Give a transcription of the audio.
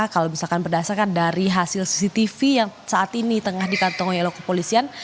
kalau misalkan berdasarkan dari hasil cctv yang saat ini tengah dikantongi oleh kepolisian